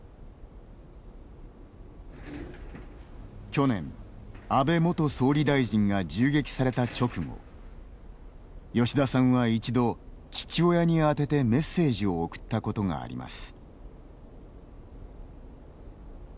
去年、安倍元総理大臣が銃撃された直後吉田さんは一度、父親に宛ててメッセージを送ったことがあります。